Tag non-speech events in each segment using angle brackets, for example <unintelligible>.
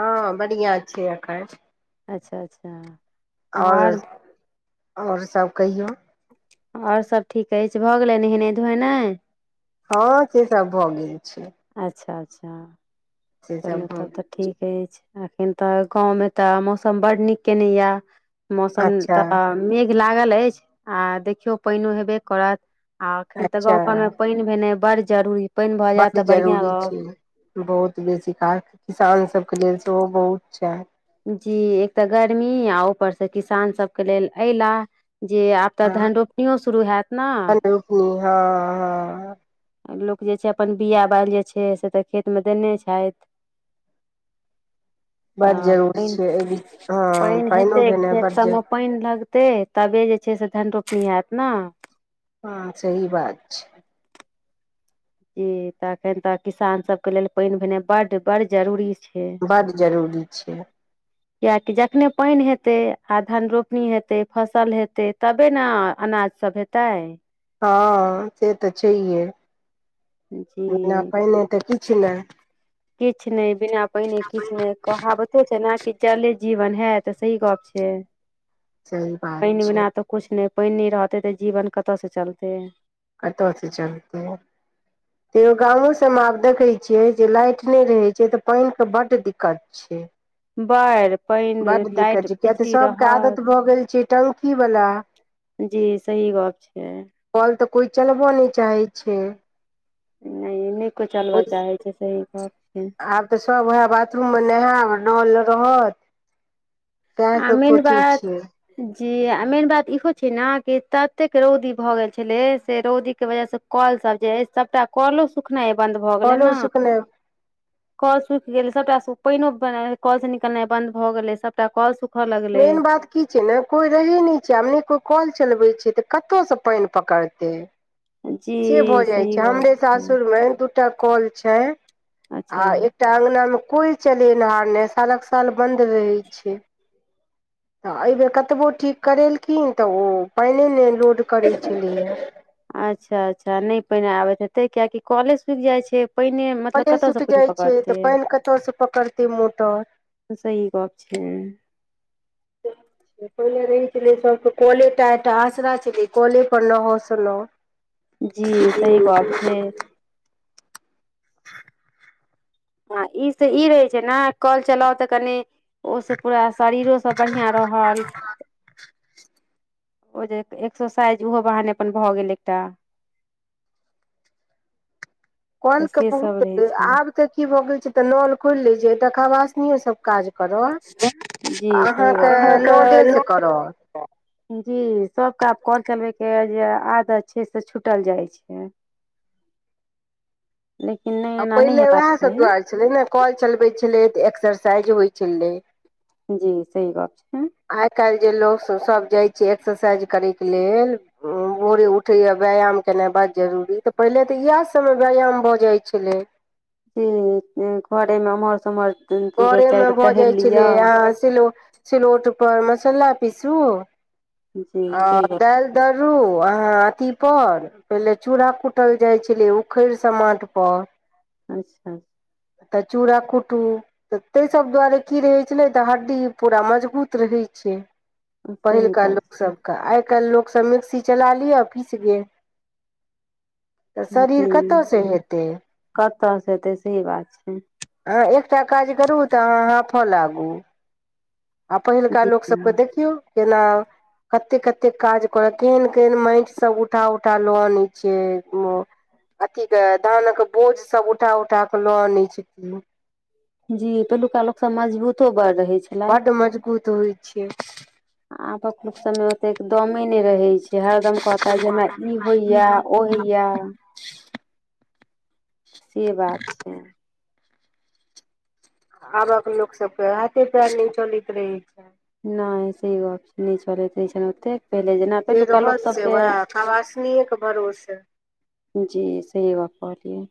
हँ बढ़िआ छै अखैन। अच्छा अच्छा। और, आओर और सभ कहियौ। और सभ ठीक अछि, भ गेलै नहेने धोनाइ। हँ से सब भ गेल छै। अच्छा अच्छा। से सब चलहु भऽ तब त ठीक अछि। एखन त गाँवमे त मौसम बड नीक केने ये। गेल मौसम अच्छा त मेघ लागल अछि आ देखियौ पानिओ हेबे करत। आ एखन त अच्छा गाम घरमे पानि भेनाइ बड जरूरी, पानि भ जायत बड्ड त बढ़िआँ जरूरी रहत। छै बहुत बेसी काल किसानसभके लेल सेहो बहुत छै। जी एक तऽ गर्मी आ ऊपर से किसान सब के लेल ऐला जे आ तऽ हँ धन रोपनीओ शुरू होत ना रोपनी हँ हँ लोक जे छै अपन बिया बालि जे छै से तऽ खेत मे देने छथि। <inaudible> बड जरूरी पानि छय एहि बीच हँ पानि पानिओ हेतै भेनाइ खेत बड्ड ज सभमे पानि लगतै तबे जे छै से धन रोपनी हैत ना हँ सही बात छै। जी त अखन तऽ किसान सब के लेल पान भेनाइ बड्ड बड़ जरुरी छै। बड्ड जरूरी छय। <inaudible> कियाकि जखने पानि हेतै आ धन रोपनी हेतै फसल हेतै तबे ने अनाज सब हेतै तइ हँ से तऽ छैे जी बिना पाइने तऽ किछ ने किछ नहि बिना पाइने किछ नहि कहावते छै ने कि जल ही जीवन है तऽ सही गप छै। सही बात पानि छै बिना तऽ कुछ नहि पानि न रहतै तऽ जीवन कतऽ से चलतै। कतऽ से चलतै? तैयो गामो सब में आब देखे छीयै जे लाइट नइ रहे छै त पानि के बड्ड दिक्कत छै। बर बड्ड दिक्कत छै किये तऽ सबके आदत भऽ गेल छै टंकी वला जी सही गप छय। कल तऽ कोई चलबो नहि चाहैत छै। नहि नहि कोइ चलब चाहै छै सही गप्प आब तऽ सभ उएह बाथरूममे नहायब नल रहत सएह आ सब मेन सोचै बात छियै जी आ मेन बात इहो छै ने कि ततेक रौदी भऽ गेल छलै से रौदीके वजहसँ कल सभ जे अइछ सभटा कलो सुखनाइ बन्द भऽ गेलै कलो न सुखनाइ कल सुखि गेलै सबटा पाइनो कल से निकलनाइ बन्द भऽ गेलै सबटा कल सुख मेन बात की छै ने कोई रहै नहि छै आब ने कोई कल चलबे छै त कतऽ से पानि पकड़तै जी से भऽ जाइ सही छै गप हमरे छै सासुरमे दू टा कॉल छै आ अच्छा एक टा अंगना में कोई चलेनिहार नहि सालक साल बंद रहे छै तऽ एहिबेर कतबो ठीक करेलखिन तऽ ओ पाइने नहि लोड करैत छलैए। अच्छा अच्छा नहि पाइने आबैत हेते कियेकि कॉले सुखि जाइ छै। पाइने कले सुखि जाइ छै तऽ पानि कतयसँ पकड़तै मोटर सही गप छै। पहिले रहै छलै सब त कले टा एकटा आसरा छलै कले पर नहाउ सुनाउ जी सही गप छै। आ ई से ई रहै छै ने कल चलाउ तऽ कनि ओसे पूरा शरीरोसभ बढ़िआँ रहल <inaudible> ओ जे एक्ससाइज ओहो बहानेे अपन भए गेल एकटा तऽ कल के से सब रहै बहुत आब छै तऽ की भऽ गेल छै त नल खोलि ले छै एकटा खवासनीयो सब काज करत जी सही अहाँके गप कहलियै नले से करत जी सबके आब कल चलबैके जे आदत छै से छुटल जाइ छै। छै लेकिन नहि आ एना नहि पहिले हेबाक उएहसभ चाही दुआरे छलै ने कल चलबै छलै तऽ एक्सरसाइज होइ छलै जी सही गप छै। आइ काल्हि जे लोग सब सब जाइ छै एक्सरसाइज करयके लेल भोरे उठैए व्यायाम केनाइ बड जरूरी तऽ पहिले तऽ इएह सभमे व्यायाम भऽ जाइ छलै जी घरे मे एम्हर स उम्हर दू बेर घरे मे चारि बेर भऽ जाइ टहैल छलै लिअ अहाँ सिलौ सिलौटपर मसला पीसु जी आ सही गप दालि दररू अहाँ अथी पर पहिले चूड़ा कुटल जाइ छलै उखड़ि समाठ पर अच्छा तऽ चूरा कुटू तऽ तई सभ दुआरे की रहै छलै तऽ हड्डी पूरा मजबूत रहै छै। सही पहिलका बात लोकसभके आइ काल्हि लोकसभ मिक्सी चला लिअ पीस गेल तऽ शरीर जी कतयसँ हेतै कतस हेतै सही बात छै। अहाँ एकटा काज करू तऽ अहाँ हांफऽ लागू आ पहिलका जी लोकसभकेँ देखियौ केना कते कते काज करत केहन केहन माटि सब उठा उठा लऽ आनै छै ओ अथी के धान के बोझ सब उठा उठा क लऽ आनै छथिन जी पहिलुका लोक सब मजबूतो बड रहे छै बड्ड मजगूत होइ छियै- आबक लोकसभा में ओ तेक दमे नहि रहै छै हरदम कहता जे हमरा ई होइया ओ होइया से बात छै। आ आबक लोक सबके हाथे पैर नहि चलैत रहे छै। नहि सही गप नहि चलैत रहै छैन ओतेक पहिले जेना जे पहिलुका लोक रहत से सबके वएह खवासनीये के भरोसे जी सही गप कहलियए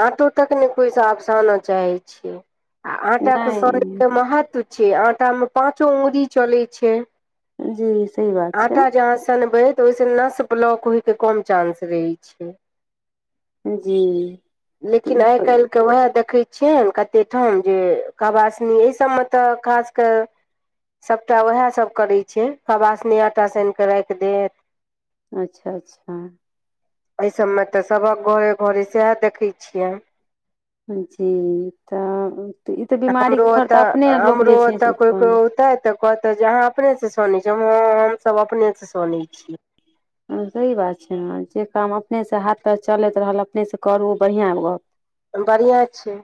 आंटो तक नहि कोइ सा आब सानऽ चाहे छै आ आंटा तऽ के सनइ के नहि महत्व छियै, आंटा में पाँचो उॅंगरी चलै छै जी सही बात छै आंटा जे अहाॅं सनबइ तऽ ओहिसे नस ब्लॉक होय के कम चांस रहे छै। जी लेकिन तऽ आइ कालि के उएह देखै छियनि कते ठाम जे खवासनी एहि सबमे तऽ खास के सभटा ओएह सभ करै छै खबासनी आटा सानि कऽ राखि देत अच्छा अच्छा एहि सभमे तऽ सबक घरे घरे सएह देखै छियनि जी तऽ ई तऽ हमरो बीमारीके फर ओतऽ तऽ अपने लोक हमरो जे छै से ओतऽ कोइ उत्पन्न कोइ औतै तऽ कहते जे अहाँ अपने से सनै छीयै हॅं हमसभ अपने सऽ सनै छियै। <inaudible> ह सही बात छै ने जे काम अपने से हाथ पैर चलैत रहल अपनेसँ करू बढ़िआँ गप बढ़ियां छै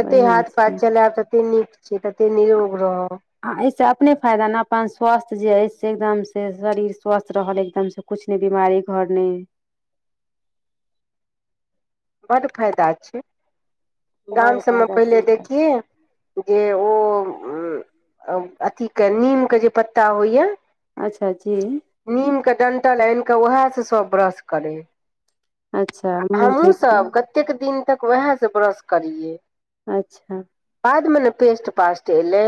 जते बढ़ियां हाथ पैर छै चलैब तते नीक से तते निरोग रहब। आ एहिस अपने फायदा ने अपन स्वास्थ्य जे अइ से एकदम से शरीर स्वस्थ रहल एकदम से कुछ नहि बीमारी घर नहि बड्ड फायदा छै गाम बड़ सभमे फायदा पहिले छै देखियै जे ओ उं अथीके नीमके जे पत्ता होइए अच्छा जी नीमके डन्टल आनि कऽ उएहसँ सभ ब्रश करय। अच्छा मुह धोइके कतेक दिन तक वएह से ब्रश करियै अच्छा बादमें ने पेस्ट पास्ट एलै।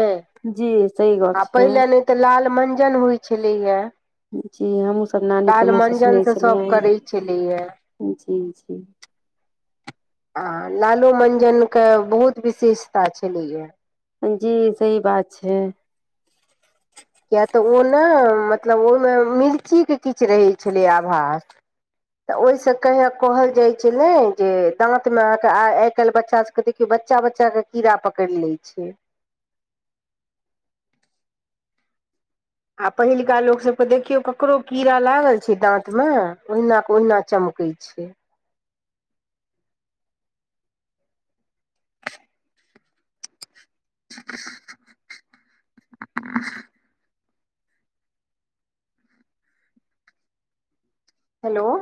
जी सही आ गप छै। पहिले नहि तऽ लाल मंजन होइ छलैया जी हमहुँ सब नानी के लाल मुँह से मञ्जन सुनै स सब छलियै करै छलैयै। जी जी आ लालो मंजन के बहुत विशेषता छलैया जी सही बात छै। किए तऽ ओ ने मतलब ओइमे मिर्चीके किछ रहै छलैयै आभास तऽ ओहि से कहै कहल जाइ छलै जे दांत मे अहाँके आइ काल्हि बच्चा सब के देखियौ बच्चा बच्चा के कीड़ा पकड़ि ले छै आ पहिलका लोक सब के देखियो ककरो कीड़ा लागल छै दांत में ओहिना के ओहिना चमक कयै छै। <unintelligible> हेलो